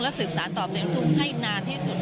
สืบสารต่อเพลงลูกทุ่งให้นานที่สุด